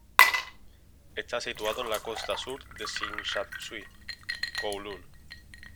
Está situado en la costa sur de Tsim Sha Tsui, Kowloon.